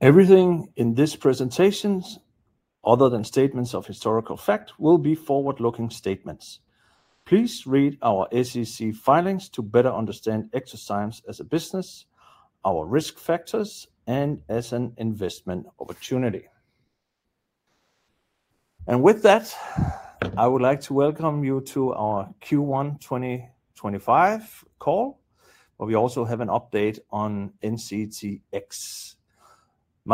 Everything in this presentation, other than statements of historical fact, will be forward-looking statements. Please read our SEC filings to better understand eXoZymes as a business, our risk factors, and as an investment opportunity. With that, I would like to welcome you to our Q1 2025 call, where we also have an update on NCTx.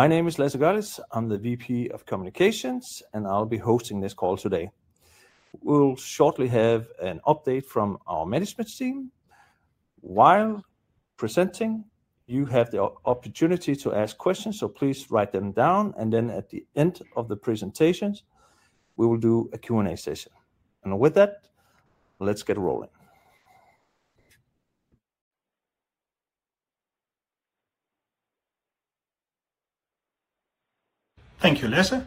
My name is Lasse Görlitz. I'm the VP of Communications, and I'll be hosting this call today. We'll shortly have an update from our management team. While presenting, you have the opportunity to ask questions, so please write them down, and at the end of the presentations, we will do a Q&A session. With that, let's get rolling. Thank you, Lasse.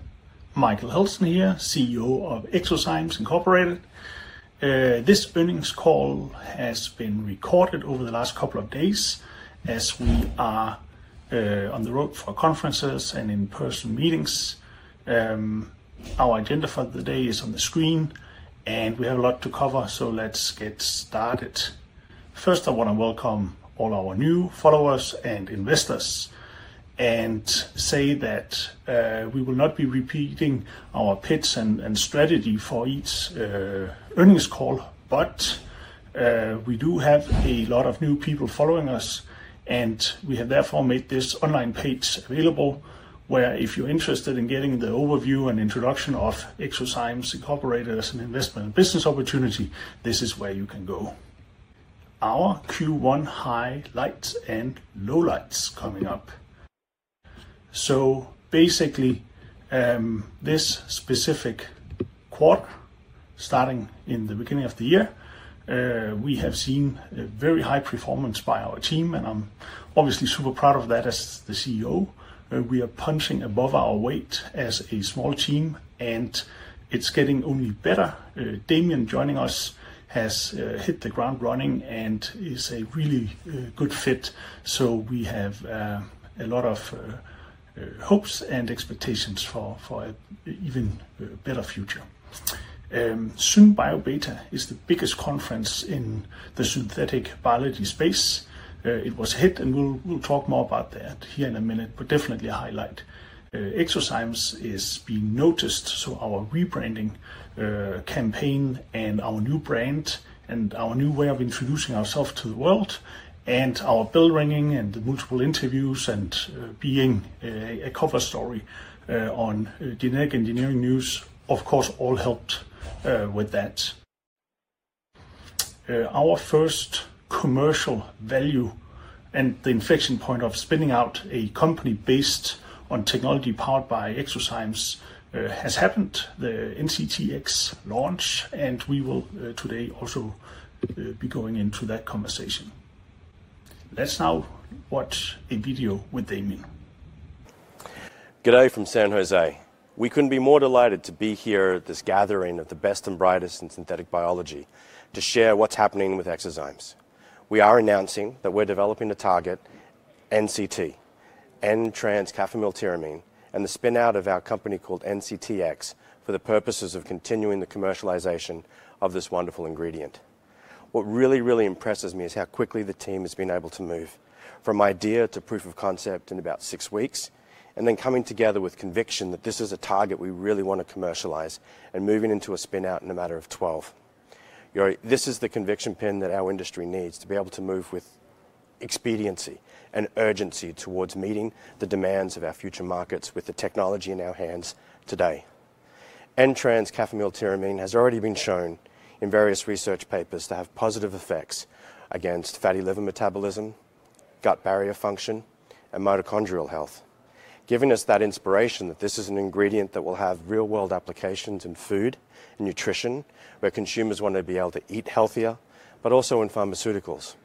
Michael Heltzen here, CEO of eXoZymes Incorporated. This earnings call has been recorded over the last couple of days as we are on the road for conferences and in personal meetings. Our agenda for the day is on the screen, and we have a lot to cover, so let's get started. First, I want to welcome all our new followers and investors and say that we will not be repeating our pitch and strategy for each earnings call, but we do have a lot of new people following us, and we have therefore made this online page available where if you're interested in getting the overview and introduction of eXoZymes Incorporated as an investment and business opportunity, this is where you can go. Our Q1 highlights and lowlights coming up. Basically, this specific quarter, starting in the beginning of the year, we have seen very high performance by our team, and I'm obviously super proud of that as the CEO. We are punching above our weight as a small team, and it's getting only better. Damien joining us has hit the ground running and is a really good fit, so we have a lot of hopes and expectations for an even better future. SynBioBeta is the biggest conference in the synthetic biology space. It was a hit, and we'll talk more about that here in a minute, but definitely a highlight. eXoZymes is being noticed, so our rebranding campaign and our new brand and our new way of introducing ourselves to the world and our bell ringing and the multiple interviews and being a cover story on Genetic Engineering News, of course, all helped with that. Our first commercial value and the inflection point of spinning out a company based on technology powered by eXoZymes has happened, the NCTx launch, and we will today also be going into that conversation. Let's now watch a video with Damien. G'day from San Jose. We couldn't be more delighted to be here at this gathering of the best and brightest in synthetic biology to share what's happening with eXoZymes. We are announcing that we're developing a target, NCT, N-trans-caffeoyltyramine, and the spin-out of our company called NCTx for the purposes of continuing the commercialization of this wonderful ingredient. What really, really impresses me is how quickly the team has been able to move from idea to proof of concept in about six weeks, and then coming together with conviction that this is a target we really want to commercialize and moving into a spin-out in a matter of 12. This is the conviction pin that our industry needs to be able to move with expediency and urgency towards meeting the demands of our future markets with the technology in our hands today. N-trans-caffeoyltyramine has already been shown in various research papers to have positive effects against fatty liver metabolism, gut barrier function, and mitochondrial health, giving us that inspiration that this is an ingredient that will have real-world applications in food and nutrition where consumers want to be able to eat healthier, but also in pharmaceuticals.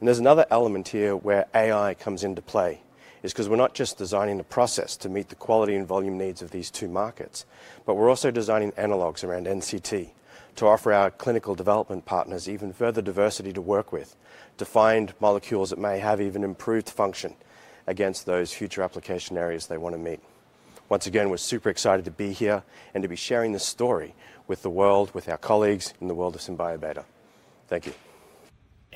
There is another element here where AI comes into play because we're not just designing the process to meet the quality and volume needs of these two markets, but we're also designing analogs around NCT to offer our clinical development partners even further diversity to work with, to find molecules that may have even improved function against those future application areas they want to meet. Once again, we're super excited to be here and to be sharing this story with the world, with our colleagues in the world of SynBioBeta. Thank you.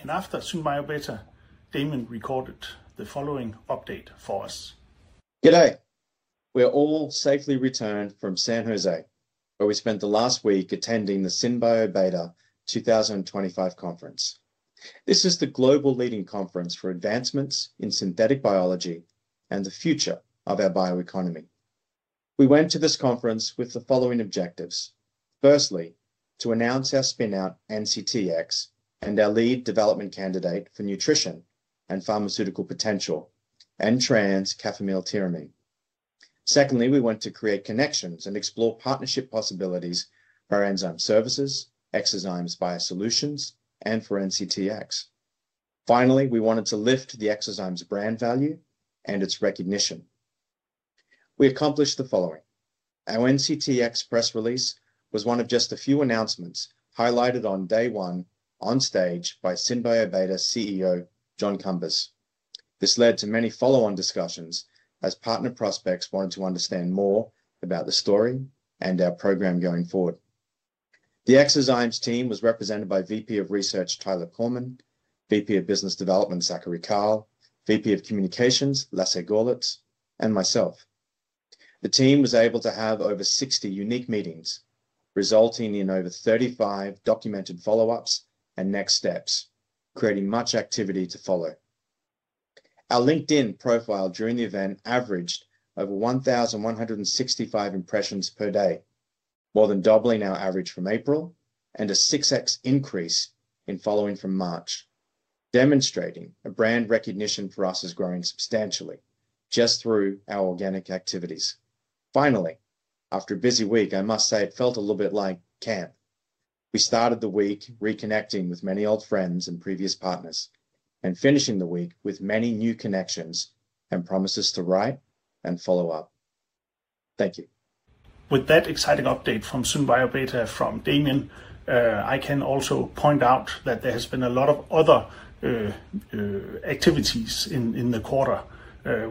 After SynBioBeta, Damien recorded the following update for us. G'day. We're all safely returned from San Jose, where we spent the last week attending the SynBioBeta 2025 conference. This is the global leading conference for advancements in synthetic biology and the future of our bioeconomy. We went to this conference with the following objectives. Firstly, to announce our spin-out NCTx and our lead development candidate for nutrition and pharmaceutical potential, N-trans-caffeoyltyramine. Secondly, we want to create connections and explore partnership possibilities for our enzyme services, eXoZymes Biosolutions, and for NCTx. Finally, we wanted to lift the eXoZymes brand value and its recognition. We accomplished the following. Our NCTx press release was one of just a few announcements highlighted on day one on stage by SynBioBeta CEO John Cumbers. This led to many follow-on discussions as partner prospects wanted to understand more about the story and our program going forward. The eXoZymes team was represented by VP of Research Tyler Korman, VP of Business Development Zachary Karl, VP of Communications Lasse Görlitz, and myself. The team was able to have over 60 unique meetings, resulting in over 35 documented follow-ups and next steps, creating much activity to follow. Our LinkedIn profile during the event averaged over 1,165 impressions per day, more than doubling our average from April and a 6x increase in following from March, demonstrating a brand recognition for us is growing substantially just through our organic activities. Finally, after a busy week, I must say it felt a little bit like camp. We started the week reconnecting with many old friends and previous partners and finishing the week with many new connections and promises to write and follow up. Thank you. With that exciting update from SynBioBeta from Damien, I can also point out that there has been a lot of other activities in the quarter.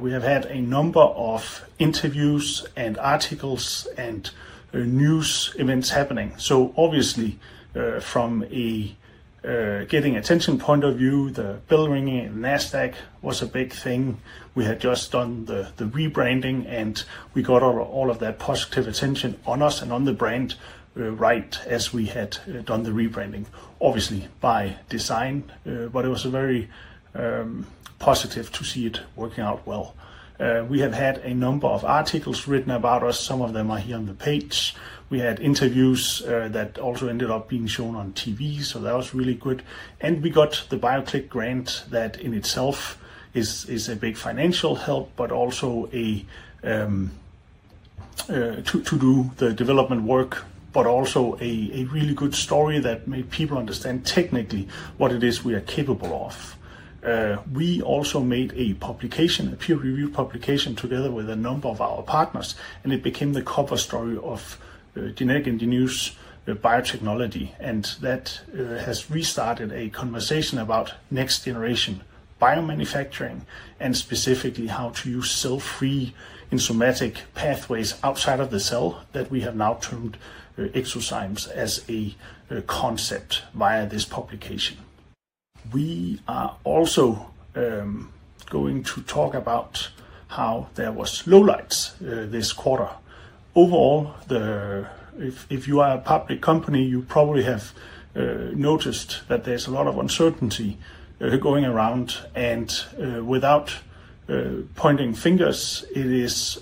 We have had a number of interviews and articles and news events happening. Obviously, from a getting attention point of view, the bell ringing and NASDAQ was a big thing. We had just done the rebranding, and we got all of that positive attention on us and on the brand right as we had done the rebranding, obviously by design, but it was very positive to see it working out well. We have had a number of articles written about us. Some of them are here on the page. We had interviews that also ended up being shown on TV, so that was really good. We got the BioClick grant that in itself is a big financial help, but also to do the development work, but also a really good story that made people understand technically what it is we are capable of. We also made a publication, a peer-reviewed publication together with a number of our partners, and it became the cover story of Genetic Engineering & Biotechnology News. That has restarted a conversation about next-generation biomanufacturing and specifically how to use cell-free enzymatic pathways outside of the cell that we have now termed eXoZymes as a concept via this publication. We are also going to talk about how there were lowlights this quarter. Overall, if you are a public company, you probably have noticed that there's a lot of uncertainty going around. Without pointing fingers, it is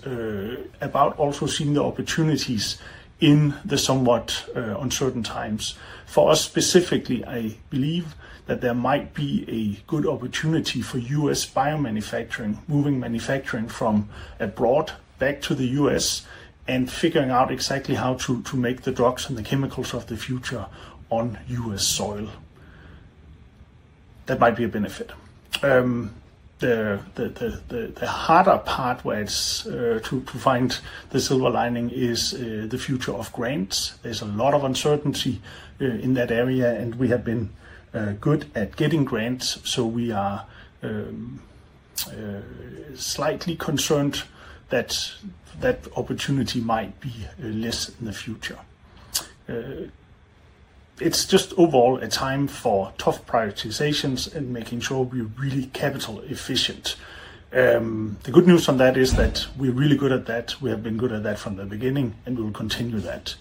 about also seeing the opportunities in the somewhat uncertain times. For us specifically, I believe that there might be a good opportunity for U.S. biomanufacturing, moving manufacturing from abroad back to the U.S. and figuring out exactly how to make the drugs and the chemicals of the future on U.S. soil. That might be a benefit. The harder part where it's to find the silver lining is the future of grants. There's a lot of uncertainty in that area, and we have been good at getting grants, so we are slightly concerned that that opportunity might be less in the future. It's just overall a time for tough prioritizations and making sure we're really capital efficient. The good news on that is that we're really good at that. We have been good at that from the beginning, and we will continue that.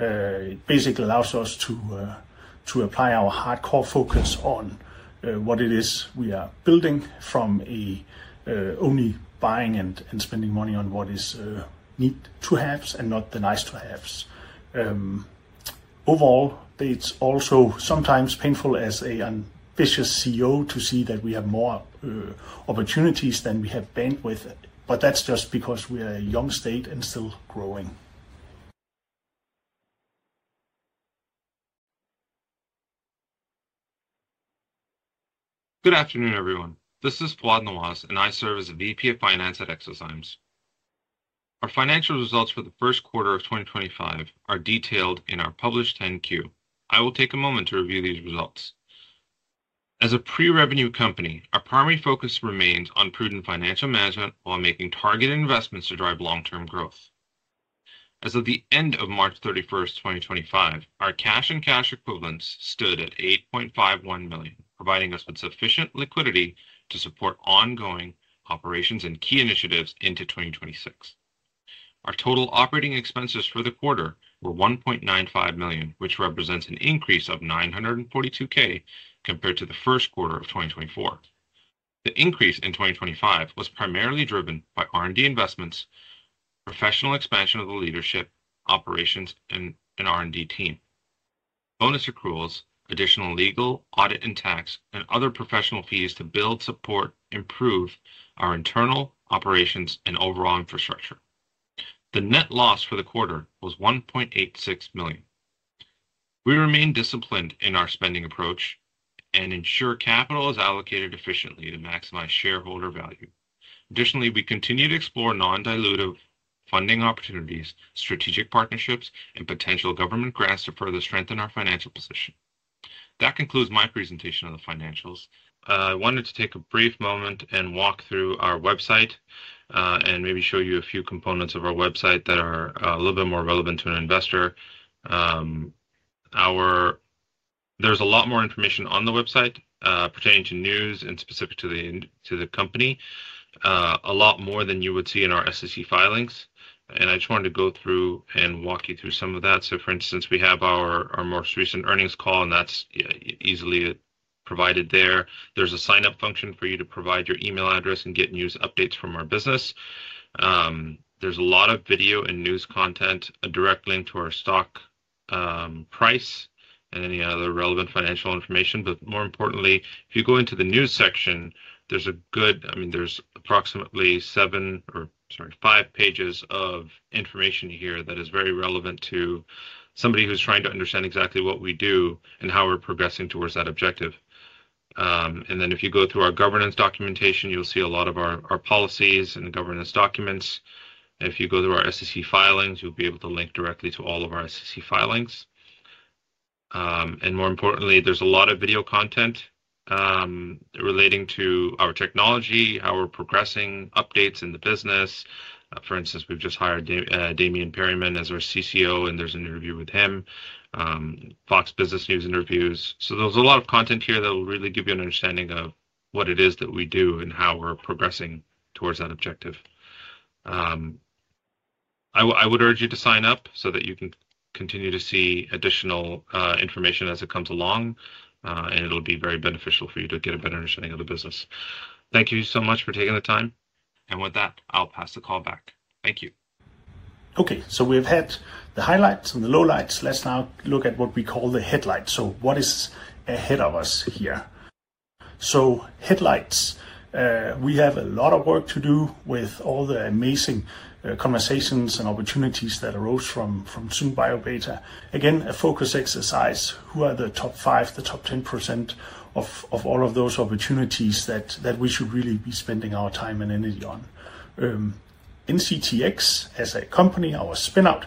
It basically allows us to apply our hardcore focus on what it is we are building from only buying and spending money on what is need-to-haves and not the nice-to-haves. Overall, it's also sometimes painful as an ambitious CEO to see that we have more opportunities than we have bandwidth, but that's just because we are a young state and still growing. Good afternoon, everyone. This is Fouad Nawaz, and I serve as a VP of Finance at eXoZymes. Our financial results for the first quarter of 2025 are detailed in our published 10-Q. I will take a moment to review these results. As a pre-revenue company, our primary focus remains on prudent financial management while making targeted investments to drive long-term growth. As of the end of March 31st, 2025, our cash and cash equivalents stood at $8.51 million, providing us with sufficient liquidity to support ongoing operations and key initiatives into 2026. Our total operating expenses for the quarter were $1.95 million, which represents an increase of $942,000 compared to the first quarter of 2024. The increase in 2025 was primarily driven by R&D investments, professional expansion of the leadership, operations, and an R&D team. Bonus accruals, additional legal, audit, and tax, and other professional fees to build, support, improve our internal operations and overall infrastructure. The net loss for the quarter was $1.86 million. We remain disciplined in our spending approach and ensure capital is allocated efficiently to maximize shareholder value. Additionally, we continue to explore non-dilutive funding opportunities, strategic partnerships, and potential government grants to further strengthen our financial position. That concludes my presentation of the financials. I wanted to take a brief moment and walk through our website and maybe show you a few components of our website that are a little bit more relevant to an investor. There is a lot more information on the website pertaining to news and specific to the company, a lot more than you would see in our SEC filings. I just wanted to go through and walk you through some of that. For instance, we have our most recent earnings call, and that's easily provided there. There's a sign-up function for you to provide your email address and get news updates from our business. There's a lot of video and news content, a direct link to our stock price and any other relevant financial information. More importantly, if you go into the news section, there's a good, I mean, there's approximately seven or, sorry, five pages of information here that is very relevant to somebody who's trying to understand exactly what we do and how we're progressing towards that objective. If you go through our governance documentation, you'll see a lot of our policies and governance documents. If you go through our SEC filings, you'll be able to link directly to all of our SEC filings. More importantly, there's a lot of video content relating to our technology, how we're progressing, updates in the business. For instance, we've just hired Damien Perriman as our CCO, and there's an interview with him, Fox Business News interviews. There's a lot of content here that will really give you an understanding of what it is that we do and how we're progressing towards that objective. I would urge you to sign up so that you can continue to see additional information as it comes along, and it'll be very beneficial for you to get a better understanding of the business. Thank you so much for taking the time. With that, I'll pass the call back. Thank you. Okay. So we've had the highlights and the lowlights. Let's now look at what we call the headlights. What is ahead of us here? Headlights, we have a lot of work to do with all the amazing conversations and opportunities that arose from SynBioBeta. Again, a focus exercise. Who are the top five, the top 10% of all of those opportunities that we should really be spending our time and energy on? NCTx, as a company, our spin-out,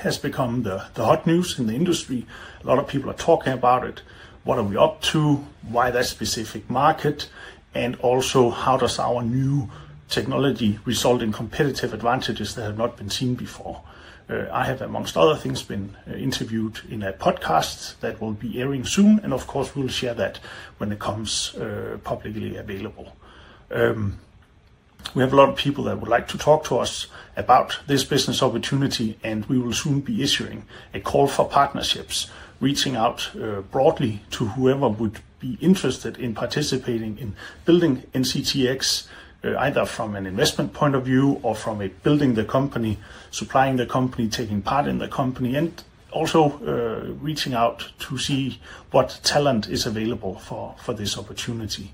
has become the hot news in the industry. A lot of people are talking about it. What are we up to? Why that specific market? Also, how does our new technology result in competitive advantages that have not been seen before? I have, amongst other things, been interviewed in a podcast that will be airing soon. Of course, we'll share that when it becomes publicly available. We have a lot of people that would like to talk to us about this business opportunity, and we will soon be issuing a call for partnerships, reaching out broadly to whoever would be interested in participating in building NCTx, either from an investment point of view or from building the company, supplying the company, taking part in the company, and also reaching out to see what talent is available for this opportunity.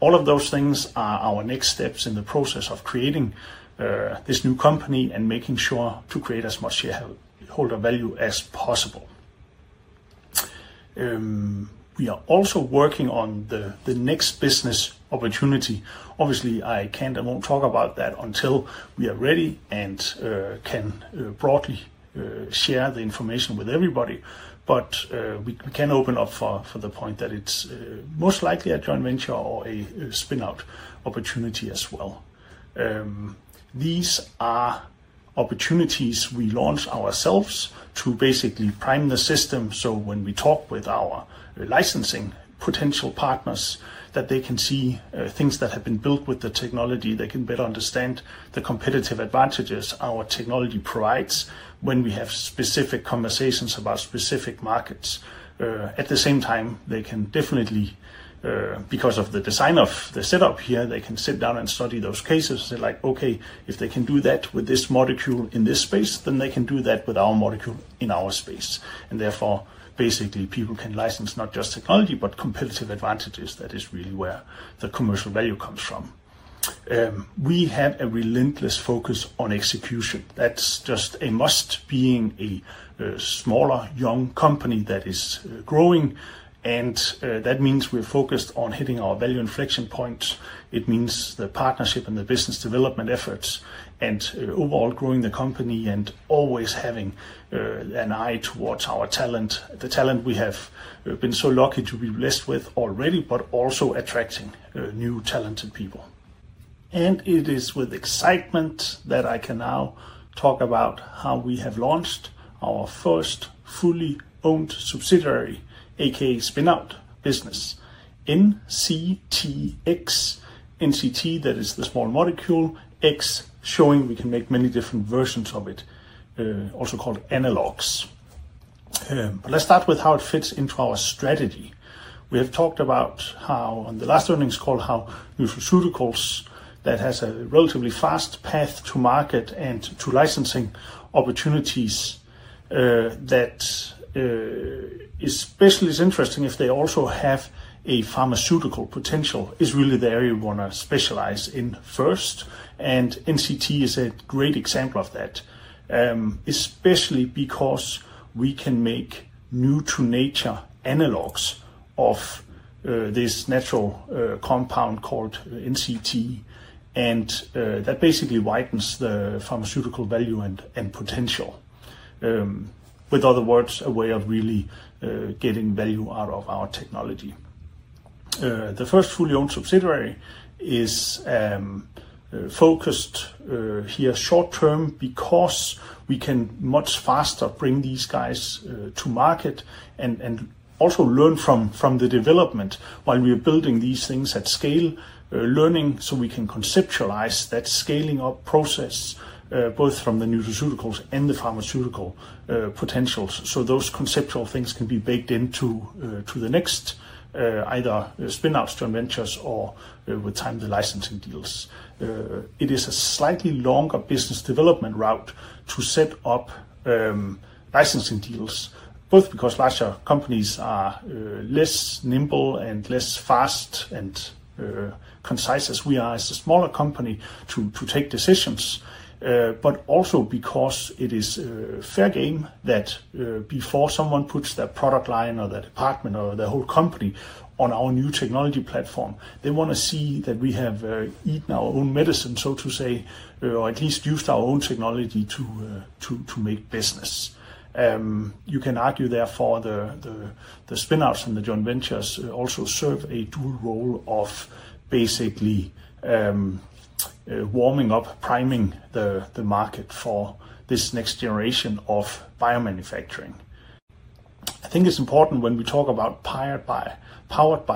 All of those things are our next steps in the process of creating this new company and making sure to create as much shareholder value as possible. We are also working on the next business opportunity. Obviously, I can't and won't talk about that until we are ready and can broadly share the information with everybody. We can open up for the point that it's most likely a joint venture or a spin-out opportunity as well. These are opportunities we launch ourselves to basically prime the system. When we talk with our licensing potential partners, they can see things that have been built with the technology, they can better understand the competitive advantages our technology provides when we have specific conversations about specific markets. At the same time, they can definitely, because of the design of the setup here, sit down and study those cases. They're like, "Okay, if they can do that with this molecule in this space, then they can do that with our molecule in our space." Therefore, basically, people can license not just technology, but competitive advantages. That is really where the commercial value comes from. We have a relentless focus on execution. That's just a must being a smaller, young company that is growing. That means we're focused on hitting our value inflection points. It means the partnership and the business development efforts and overall growing the company and always having an eye towards our talent, the talent we have been so lucky to be blessed with already, but also attracting new talented people. It is with excitement that I can now talk about how we have launched our first fully owned subsidiary, a.k.a. spin-out business, NCTx. NCT, that is the small molecule, X showing we can make many different versions of it, also called analogs. Let's start with how it fits into our strategy. We have talked about how on the last earnings call, how nutraceuticals that has a relatively fast path to market and to licensing opportunities that is especially interesting if they also have a pharmaceutical potential is really the area we want to specialize in first. NCT is a great example of that, especially because we can make new-to-nature analogs of this natural compound called NCT, and that basically widens the pharmaceutical value and potential. In other words, a way of really getting value out of our technology. The first fully owned subsidiary is focused here short-term because we can much faster bring these guys to market and also learn from the development while we are building these things at scale, learning so we can conceptualize that scaling-up process both from the nutraceuticals and the pharmaceutical potentials so those conceptual things can be baked into the next either spin-outs, joint ventures, or with time, the licensing deals. It is a slightly longer business development route to set up licensing deals, both because larger companies are less nimble and less fast and concise as we are as a smaller company to take decisions, but also because it is fair game that before someone puts their product line or their department or their whole company on our new technology platform, they want to see that we have eaten our own medicine, so to say, or at least used our own technology to make business. You can argue therefore the spin-outs and the joint ventures also serve a dual role of basically warming up, priming the market for this next generation of biomanufacturing. I think it's important when we talk about powered by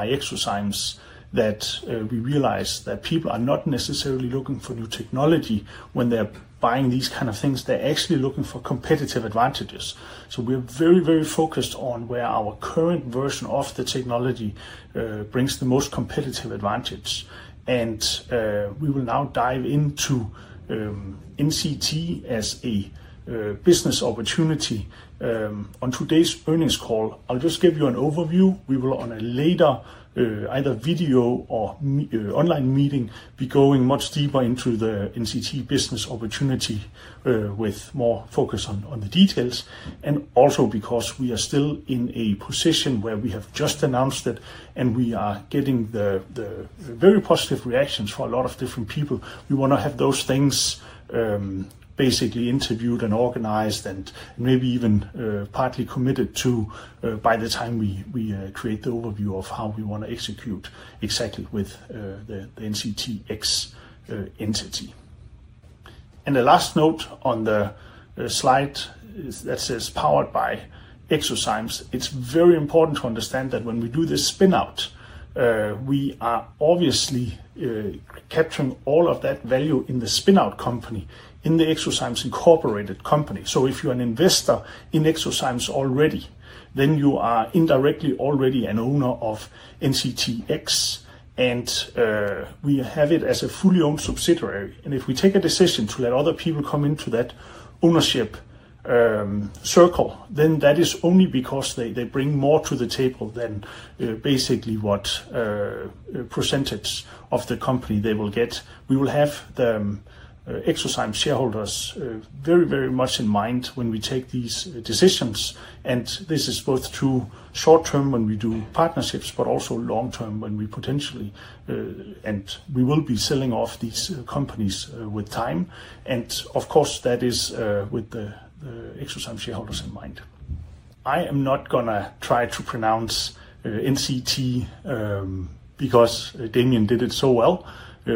eXoZymes that we realize that people are not necessarily looking for new technology when they're buying these kinds of things. They're actually looking for competitive advantages. We are very, very focused on where our current version of the technology brings the most competitive advantage. We will now dive into NCT as a business opportunity. On today's earnings call, I'll just give you an overview. We will, on a later either video or online meeting, be going much deeper into the NCT business opportunity with more focus on the details. Also, because we are still in a position where we have just announced it and we are getting the very positive reactions from a lot of different people, we want to have those things basically interviewed and organized and maybe even partly committed to by the time we create the overview of how we want to execute exactly with the NCTx entity. The last note on the slide that says powered by eXoZymes, it's very important to understand that when we do this spin-out, we are obviously capturing all of that value in the spin-out company, in the eXoZymes Incorporated company. If you're an investor in eXoZymes already, then you are indirectly already an owner of NCTx, and we have it as a fully owned subsidiary. If we take a decision to let other people come into that ownership circle, then that is only because they bring more to the table than basically what percentage of the company they will get. We will have the eXoZymes shareholders very, very much in mind when we take these decisions. This is both true short-term when we do partnerships, but also long-term when we potentially and we will be selling off these companies with time. Of course, that is with the eXoZymes shareholders in mind. I am not going to try to pronounce NCT because Damien did it so well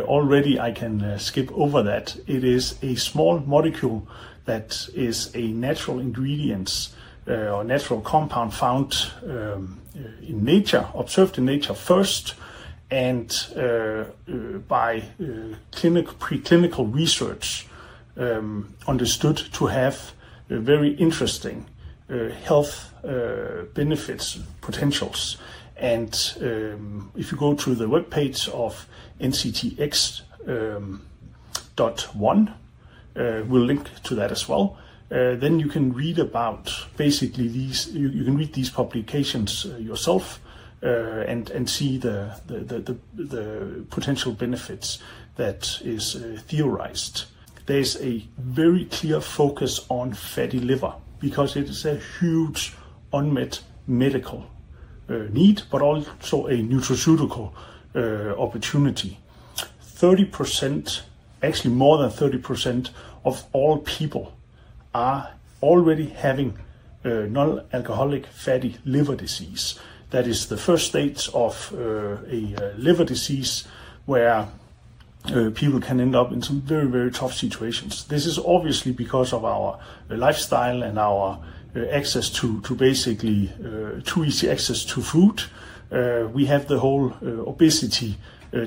already. I can skip over that. It is a small molecule that is a natural ingredient or natural compound found in nature, observed in nature first, and by preclinical research understood to have very interesting health benefits potentials. If you go to the webpage of NCTx.1, we will link to that as well, then you can read about basically these, you can read these publications yourself and see the potential benefits that is theorized. There is a very clear focus on fatty liver because it is a huge unmet medical need, but also a nutraceutical opportunity. 30%, actually more than 30% of all people are already having non-alcoholic fatty liver disease. That is the first stage of a liver disease where people can end up in some very, very tough situations. This is obviously because of our lifestyle and our access to basically too easy access to food. We have the whole obesity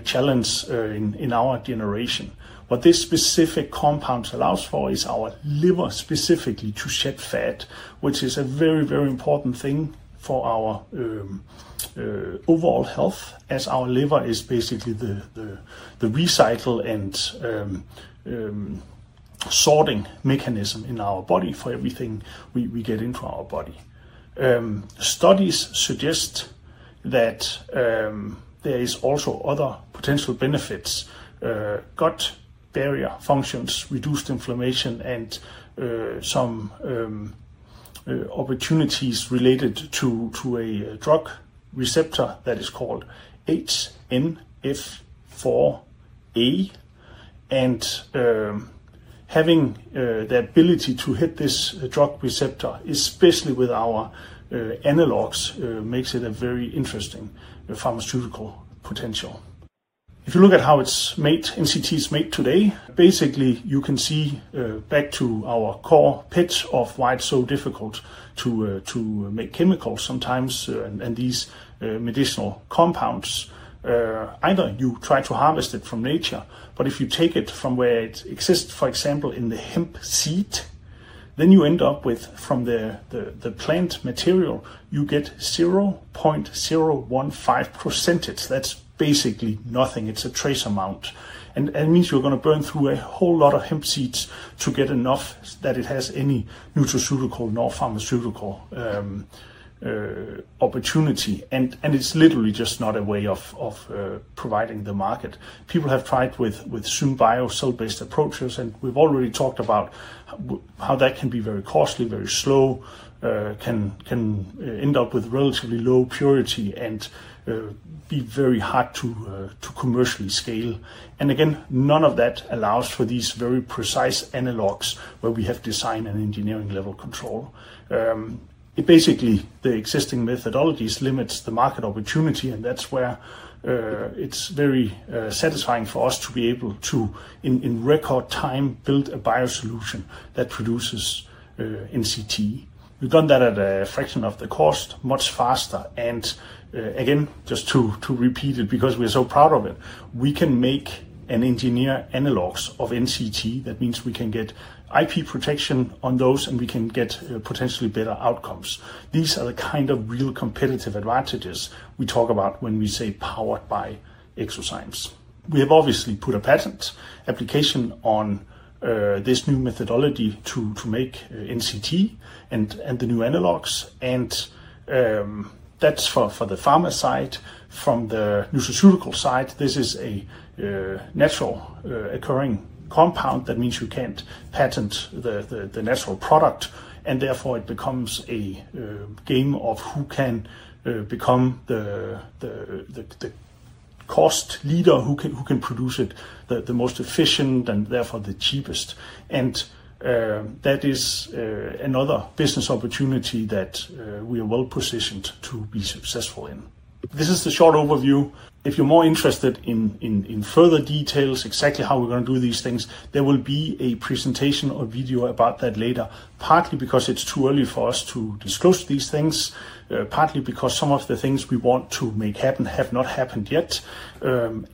challenge in our generation. What this specific compound allows for is our liver specifically to shed fat, which is a very, very important thing for our overall health as our liver is basically the recycle and sorting mechanism in our body for everything we get into our body. Studies suggest that there are also other potential benefits: gut barrier functions, reduced inflammation, and some opportunities related to a drug receptor that is called HNF4α. Having the ability to hit this drug receptor, especially with our analogs, makes it a very interesting pharmaceutical potential. If you look at how NCT is made today, basically, you can see back to our core pit of why it's so difficult to make chemicals sometimes and these medicinal compounds. Either you try to harvest it from nature, but if you take it from where it exists, for example, in the hemp seed, then you end up with, from the plant material, you get 0.015%. That's basically nothing. It's a trace amount. It means you're going to burn through a whole lot of hemp seeds to get enough that it has any nutraceutical nor pharmaceutical opportunity. It's literally just not a way of providing the market. People have tried with some biocell-based approaches, and we've already talked about how that can be very costly, very slow, can end up with relatively low purity, and be very hard to commercially scale. None of that allows for these very precise analogs where we have design and engineering-level control. Basically, the existing methodologies limit the market opportunity. It is very satisfying for us to be able to, in record time, build a bio-solution that produces NCT. We have done that at a fraction of the cost, much faster. Just to repeat it because we are so proud of it, we can make and engineer analogs of NCT. That means we can get IP protection on those, and we can get potentially better outcomes. These are the kind of real competitive advantages we talk about when we say powered by eXoZymes. We have obviously put a patent application on this new methodology to make NCT and the new analogs. That is for the pharma side. From the nutraceutical side, this is a naturally occurring compound. That means you can't patent the natural product. Therefore, it becomes a game of who can become the cost leader, who can produce it the most efficient and therefore the cheapest. That is another business opportunity that we are well-positioned to be successful in. This is the short overview. If you're more interested in further details, exactly how we're going to do these things, there will be a presentation or video about that later, partly because it's too early for us to disclose these things, partly because some of the things we want to make happen have not happened yet,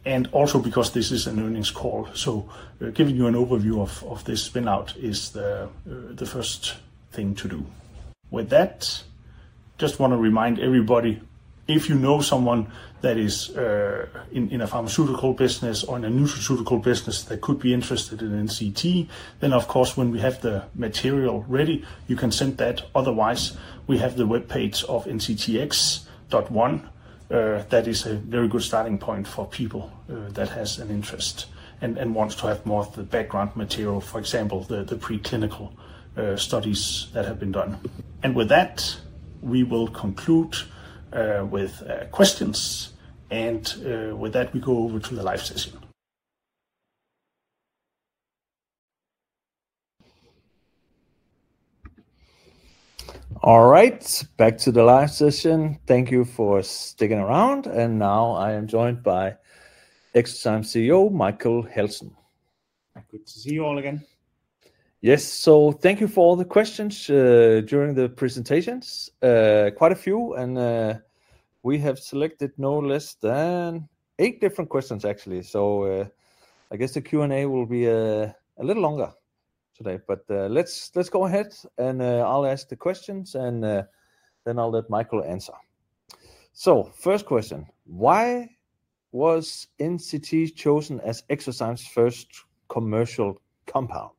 and also because this is an earnings call. Giving you an overview of this spin-out is the first thing to do. With that, just want to remind everybody, if you know someone that is in a pharmaceutical business or in a nutraceutical business that could be interested in NCT, then of course, when we have the material ready, you can send that. Otherwise, we have the webpage of NCTx.1. That is a very good starting point for people that have an interest and want to have more of the background material, for example, the preclinical studies that have been done. With that, we will conclude with questions. With that, we go over to the live session. All right. Back to the live session. Thank you for sticking around. Now I am joined by eXoZymes CEO, Michael Heltzen. Good to see you all again. Yes. Thank you for all the questions during the presentations, quite a few. We have selected no less than eight different questions, actually. I guess the Q&A will be a little longer today. Let's go ahead, and I'll ask the questions, and then I'll let Michael answer. First question, why was NCT chosen as eXoZymes' first commercial compound?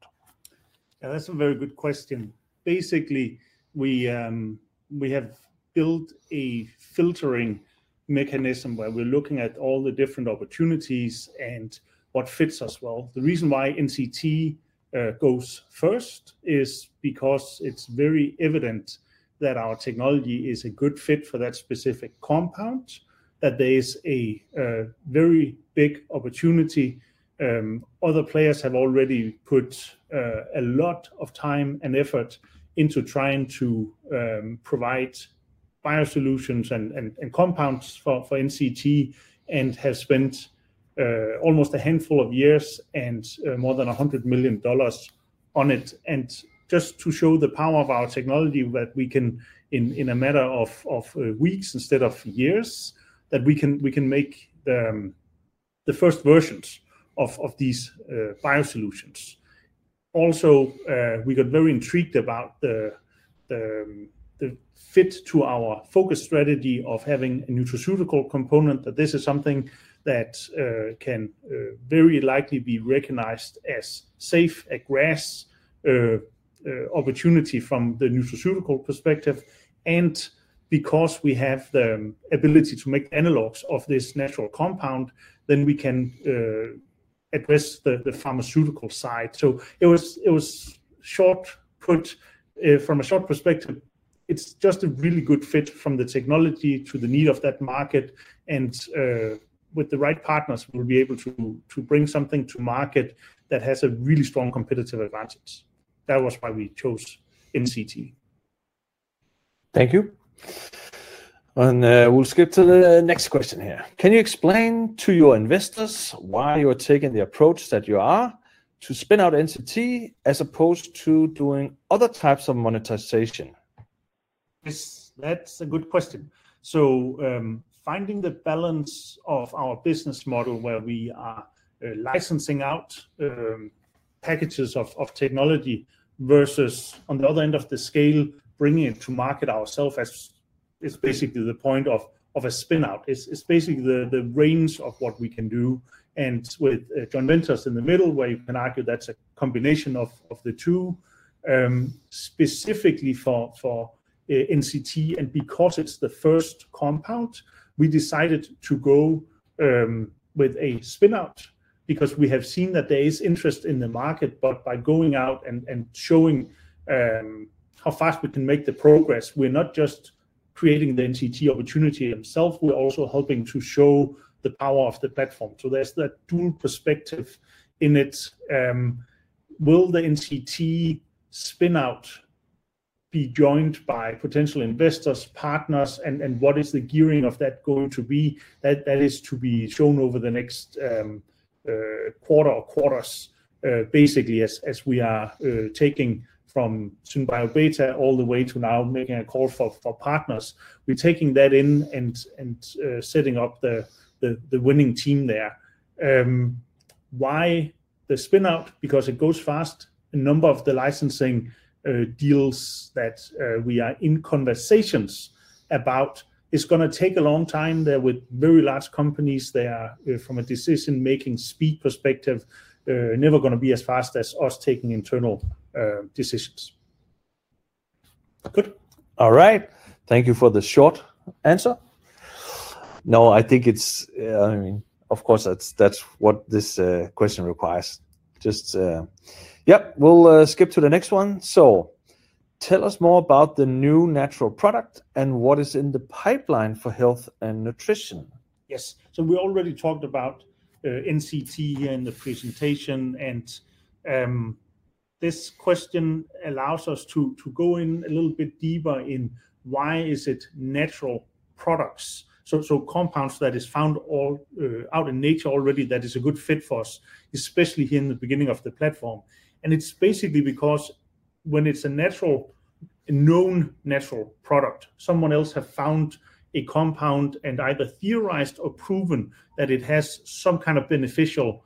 Yeah, that's a very good question. Basically, we have built a filtering mechanism where we're looking at all the different opportunities and what fits us well. The reason why NCT goes first is because it's very evident that our technology is a good fit for that specific compound, that there is a very big opportunity. Other players have already put a lot of time and effort into trying to provide bio-solutions and compounds for NCT and have spent almost a handful of years and more than $100 million on it. Just to show the power of our technology that we can, in a matter of weeks instead of years, make the first versions of these bio-solutions. Also, we got very intrigued about the fit to our focus strategy of having a nutraceutical component, that this is something that can very likely be recognized as safe, a GRAS opportunity from the nutraceutical perspective. Because we have the ability to make analogs of this natural compound, we can address the pharmaceutical side. Short put, from a short perspective, it's just a really good fit from the technology to the need of that market. With the right partners, we'll be able to bring something to market that has a really strong competitive advantage. That was why we chose NCT. Thank you. We'll skip to the next question here. Can you explain to your investors why you are taking the approach that you are to spin-out NCT as opposed to doing other types of monetization? That's a good question. Finding the balance of our business model where we are licensing out packages of technology versus, on the other end of the scale, bringing it to market ourselves is basically the point of a spin-out. It is basically the range of what we can do. With joint ventures in the middle, where you can argue that is a combination of the two, specifically for NCT, and because it is the first compound, we decided to go with a spin-out because we have seen that there is interest in the market. By going out and showing how fast we can make the progress, we are not just creating the NCT opportunity itself. We are also helping to show the power of the platform. There's that dual perspective in it. Will the NCT spin-out be joined by potential investors, partners, and what is the gearing of that going to be? That is to be shown over the next quarter or quarters, basically, as we are taking from SynBioBeta all the way to now making a call for partners. We're taking that in and setting up the winning team there. Why the spin-out? Because it goes fast. A number of the licensing deals that we are in conversations about are going to take a long time. They're with very large companies. They are, from a decision-making speed perspective, never going to be as fast as us taking internal decisions. Good. All right. Thank you for the short answer. No, I think it's of course, that's what this question requires. Just yep, we'll skip to the next one. Tell us more about the new natural product and what is in the pipeline for health and nutrition. Yes. We already talked about NCT here in the presentation. This question allows us to go a little bit deeper in why is it natural products, so compounds that are found out in nature already, that are a good fit for us, especially here in the beginning of the platform. It's basically because when it's a known natural product, someone else has found a compound and either theorized or proven that it has some kind of beneficial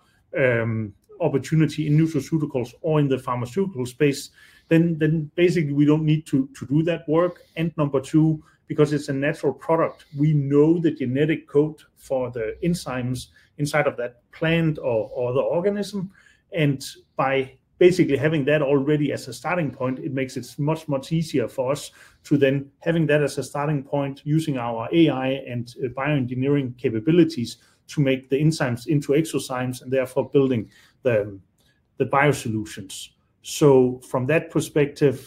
opportunity in nutraceuticals or in the pharmaceutical space. Basically, we don't need to do that work. Number two, because it's a natural product, we know the genetic code for the enzymes inside of that plant or the organism. By basically having that already as a starting point, it makes it much, much easier for us to then have that as a starting point, using our AI and bioengineering capabilities to make the enzymes into eXoZymes and therefore building the bio-solutions. From that perspective,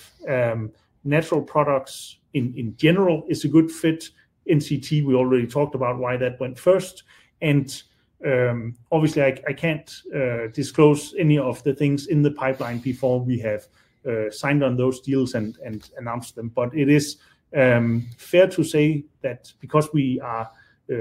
natural products in general are a good fit. NCT, we already talked about why that went first. Obviously, I can't disclose any of the things in the pipeline before we have signed on those deals and announced them. It is fair to say that because we are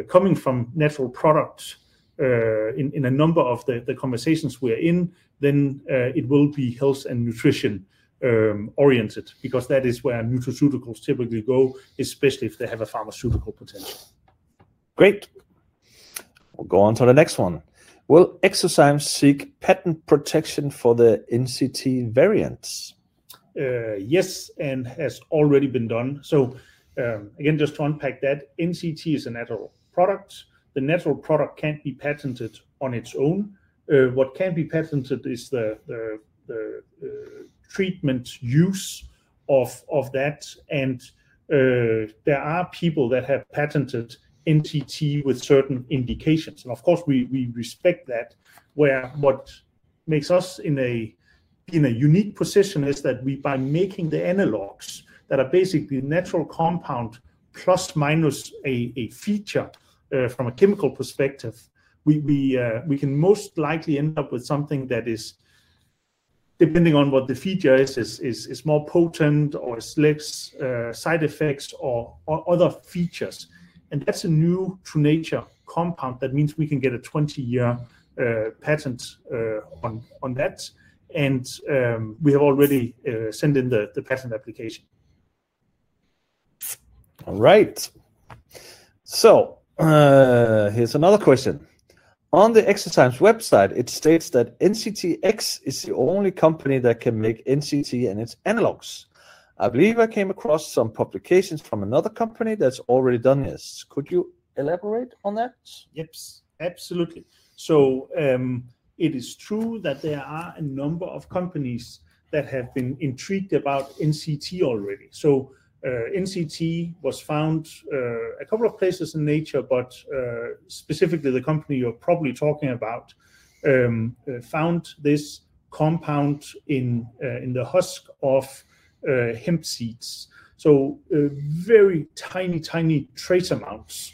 coming from natural products in a number of the conversations we are in, it will be health and nutrition-oriented because that is where nutraceuticals typically go, especially if they have a pharmaceutical potential. Great. We'll go on to the next one. Will eXoZymes seek patent protection for the NCT variants? Yes, and has already been done. Again, just to unpack that, NCT is a natural product. The natural product can't be patented on its own. What can be patented is the treatment use of that. There are people that have patented NCT with certain indications. Of course, we respect that. What makes us in a unique position is that by making the analogs that are basically natural compound plus/minus a feature from a chemical perspective, we can most likely end up with something that is, depending on what the feature is, more potent or has less side effects or other features. That is a new-to-nature compound. That means we can get a 20-year patent on that. We have already sent in the patent application. All right. Here is another question. On the eXoZymes website, it states that NCTx is the only company that can make NCT and its analogs. I believe I came across some publications from another company that's already done this. Could you elaborate on that? Yep. Absolutely. It is true that there are a number of companies that have been intrigued about NCT already. NCT was found a couple of places in nature, but specifically, the company you're probably talking about found this compound in the husk of hemp seeds. Very tiny, tiny trace amounts.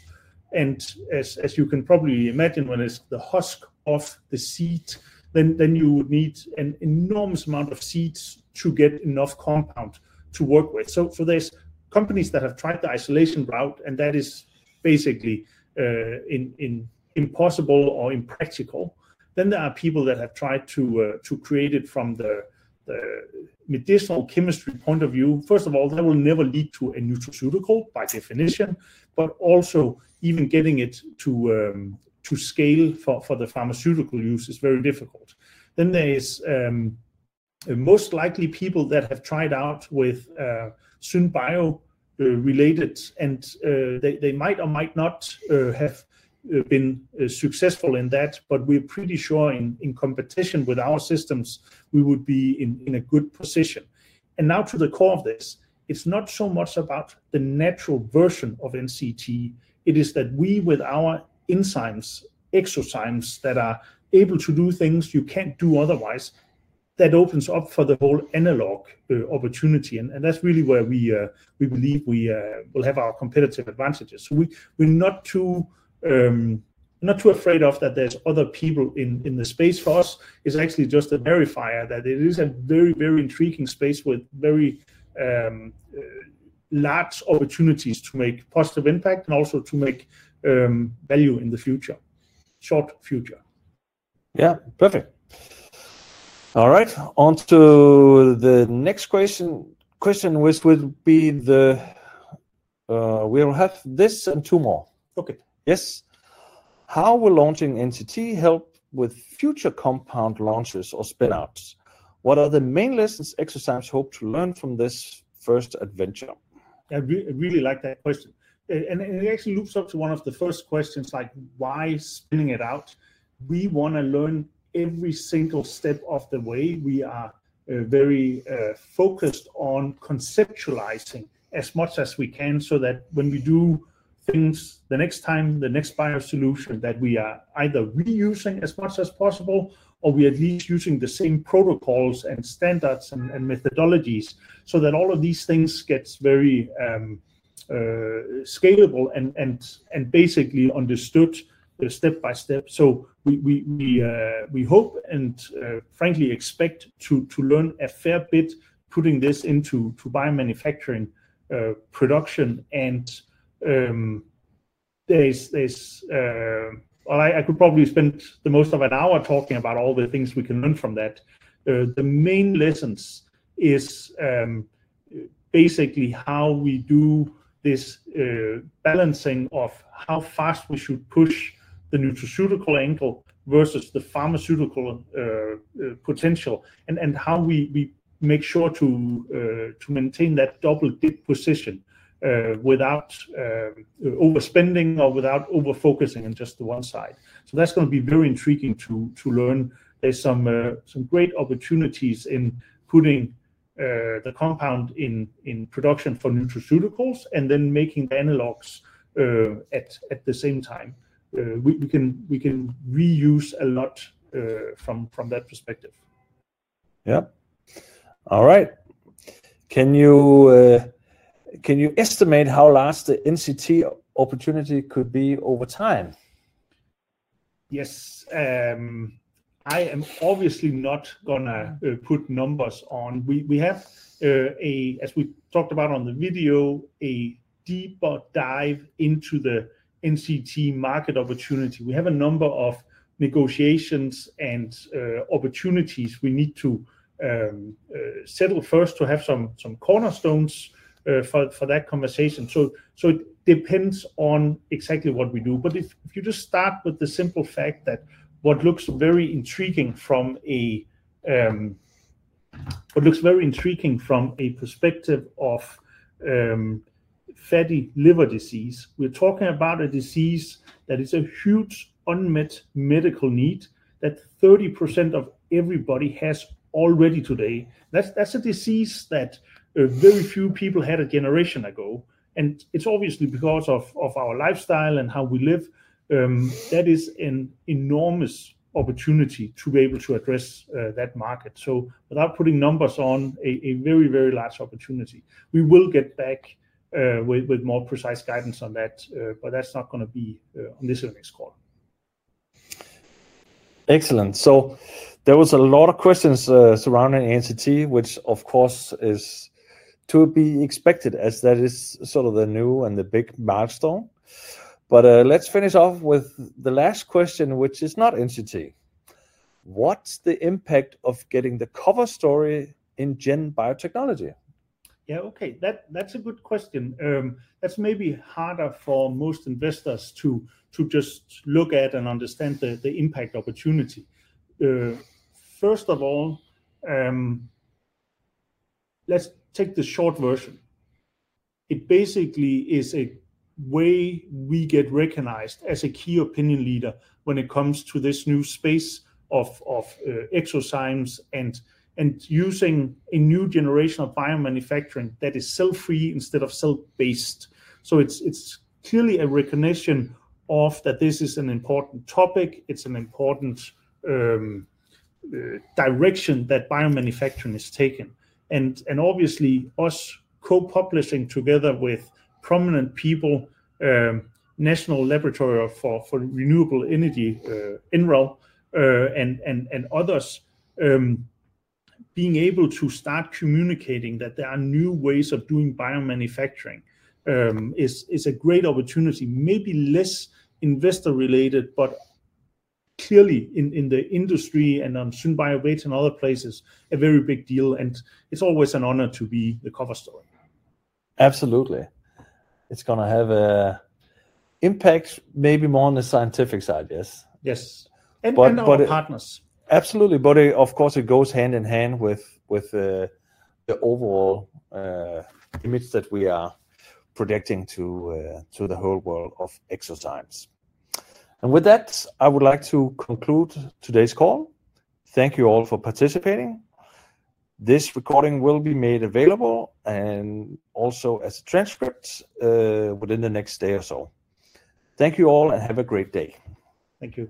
As you can probably imagine, when it's the husk of the seed, you would need an enormous amount of seeds to get enough compound to work with. For these companies that have tried the isolation route, and that is basically impossible or impractical, there are people that have tried to create it from the medicinal chemistry point of view. First of all, that will never lead to a nutraceutical by definition. Also, even getting it to scale for the pharmaceutical use is very difficult. There are most likely people that have tried out with SynBio related, and they might or might not have been successful in that. We are pretty sure in competition with our systems, we would be in a good position. Now to the core of this, it is not so much about the natural version of NCT. It is that we, with our enzymes, eXoZymes, that are able to do things you cannot do otherwise, that opens up for the whole analog opportunity. That is really where we believe we will have our competitive advantages. We are not too afraid that there are other people in the space. For us, it is actually just a verifier that it is a very, very intriguing space with very large opportunities to make positive impact and also to make value in the future, short future. Yeah. Perfect. All right. On to the next question, which will be this and two more. Yes. How will launching NCT help with future compound launches or spin-outs? What are the main lessons eXoZymes hope to learn from this first adventure? I really like that question. It actually loops up to one of the first questions, like, why spinning it out? We want to learn every single step of the way. We are very focused on conceptualizing as much as we can so that when we do things the next time, the next bio-solution, that we are either reusing as much as possible or we are at least using the same protocols and standards and methodologies so that all of these things get very scalable and basically understood step by step. We hope and frankly expect to learn a fair bit putting this into biomanufacturing production. I could probably spend most of an hour talking about all the things we can learn from that. The main lessons is basically how we do this balancing of how fast we should push the nutraceutical angle versus the pharmaceutical potential and how we make sure to maintain that double dip position without overspending or without overfocusing on just the one side. That is going to be very intriguing to learn. There's some great opportunities in putting the compound in production for nutraceuticals and then making analogs at the same time. We can reuse a lot from that perspective. Yep. All right. Can you estimate how large the NCT opportunity could be over time? Yes. I am obviously not going to put numbers on. We have, as we talked about on the video, a deeper dive into the NCT market opportunity. We have a number of negotiations and opportunities we need to settle first to have some cornerstones for that conversation. It depends on exactly what we do. If you just start with the simple fact that what looks very intriguing from a perspective of fatty liver disease, we're talking about a disease that is a huge unmet medical need that 30% of everybody has already today. That's a disease that very few people had a generation ago. It is obviously because of our lifestyle and how we live. That is an enormous opportunity to be able to address that market. Without putting numbers on, a very, very large opportunity. We will get back with more precise guidance on that. That is not going to be on this earnings call. Excellent. There was a lot of questions surrounding NCT, which, of course, is to be expected as that is sort of the new and the big milestone. Let's finish off with the last question, which is not NCT. What's the impact of getting the cover story in Gen Biotechnology? Yeah. Okay. That's a good question. That is maybe harder for most investors to just look at and understand the impact opportunity. First of all, let's take the short version. It basically is a way we get recognized as a key opinion leader when it comes to this new space of eXoZymes and using a new generation of biomanufacturing that is cell-free instead of cell-based. It is clearly a recognition that this is an important topic. It is an important direction that biomanufacturing is taking. Obviously, us co-publishing together with prominent people, National Renewable Energy Laboratory, NREL, and others, being able to start communicating that there are new ways of doing biomanufacturing is a great opportunity, maybe less investor-related, but clearly in the industry and on SynBioBeta and other places, a very big deal. It is always an honor to be the cover story. Absolutely. It is going to have impact, maybe more on the scientific side, yes? Yes. But in partners. Absolutely. Of course, it goes hand in hand with the overall image that we are projecting to the whole world of eXoZymes. With that, I would like to conclude today's call. Thank you all for participating. This recording will be made available and also as a transcript within the next day or so. Thank you all and have a great day. Thank you.